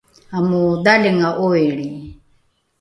amodhalinga ’oilri